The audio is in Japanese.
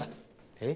えっ？